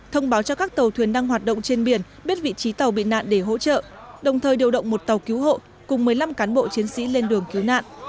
thông báo cho các tàu thuyền đang hoạt động trên biển biết vị trí tàu bị nạn để hỗ trợ đồng thời điều động một tàu cứu hộ cùng một mươi năm cán bộ chiến sĩ lên đường cứu nạn